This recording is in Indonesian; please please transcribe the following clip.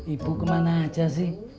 ibu kemana aja sih